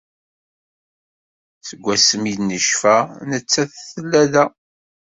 Seg asmi d-necfa nettat tella da